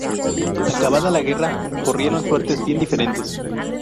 Acabada la guerra corrieron suertes bien diferentes.